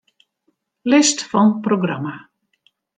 List fan programma.